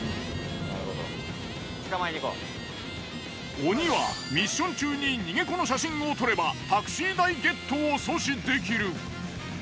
鬼はミッション中に逃げ子の写真を撮ればタクシー代ゲットを阻止できる。